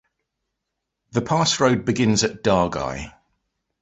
The pass road begins at Dargai.